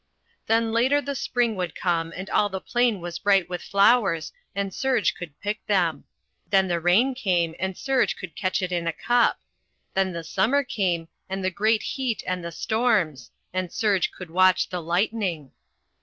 Then later the spring would come and all the plain was bright with flowers and Serge could pick them. Then the rain came and Serge could catch it in a cup. Then the summer came and the great heat and the storms, and Serge could watch the lightning.